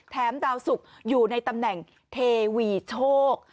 ดาวสุกอยู่ในตำแหน่งเทวีโชค